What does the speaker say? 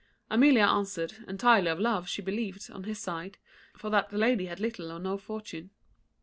Amelia answered, entirely of love, she believed, on his side; for that the lady had little or no fortune.